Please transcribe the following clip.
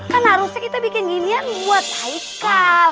kan harusnya kita bikin ginian buat haikal